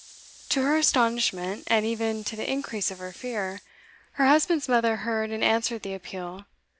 To her astonishment, and even to the increase of her fear, her husband's mother heard and answered the appeal.